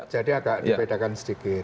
jadi agak dipedakan sedikit